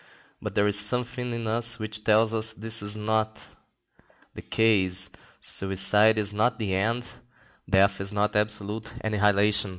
But there is something in us which tells us that this is not the case: suicide is not the end; death is not absolute annihilation.